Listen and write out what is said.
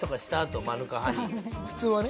普通はね？